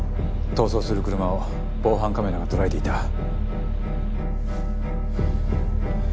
逃走する車を防犯カメラが捉えていた。